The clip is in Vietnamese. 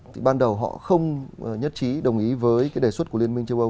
thì ban đầu họ không nhất trí đồng ý với cái đề xuất của liên minh châu âu